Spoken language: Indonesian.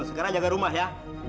sekarang jaga rumah ya